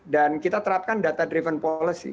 dan kita terapkan data driven policy